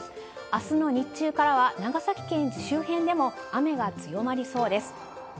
あすの日中からは、長崎県周辺でも雨が強まりそうです。